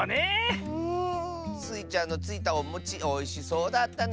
スイちゃんのついたおもちおいしそうだったね！